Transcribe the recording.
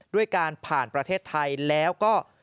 ด้วยการผ่านประเทศไทยแล้วก็